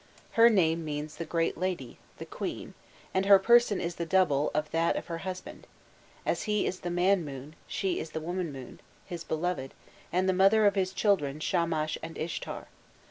Her name means "the great lady," "the queen," and her person is the double of that of her husband; as he is the man moon, she is the woman moon, his beloved, and the mother of his children Shamash and Ishtar.